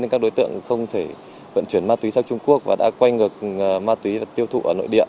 nên các đối tượng không thể vận chuyển ma túy sang trung quốc và đã quay ngược ma túy tiêu thụ ở nội địa